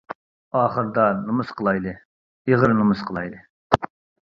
ئاخىرىدا، نومۇس قىلايلى، ئېغىر نومۇس قىلايلى.